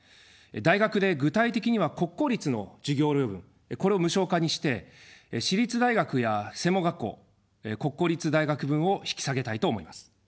大学で具体的には国公立の授業料分、これを無償化にして、私立大学や専門学校、国公立大学分を引き下げたいと思います。